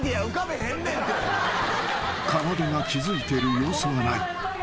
［かなでが気付いてる様子はない］